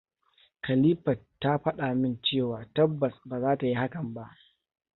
Khalifat ta faɗa min cewar tabbas ba za ta yi hakan ba.